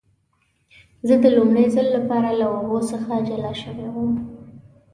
زه د لومړي ځل لپاره له اوبو څخه جلا شوی وم.